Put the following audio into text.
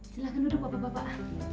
silahkan duduk bapak bapak